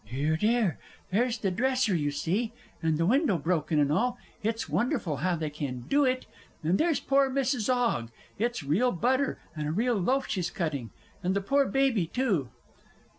Dear, dear, there's the dresser, you see, and the window broken and all; it's wonderful how they can do it! And there's poor Mrs. 'Ogg it's real butter and a real loaf she's cutting, and the poor baby, too!...